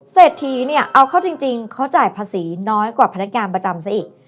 เศรษฐีเนี่ยเอาเข้าจริงเขาจ่ายภาษีน้อยกว่าพนักงานประจำซะอีก